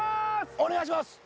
お願いします！